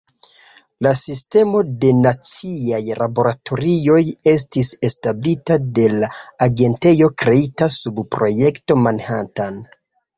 La Sistemo de Naciaj Laboratorioj estis establita de la agentejo kreita sub Projekto Manhattan.